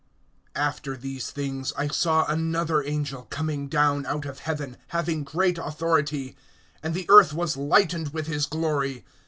AFTER these things I saw another angel coming down out of heaven, having great authority; and the earth was lightened with his glory.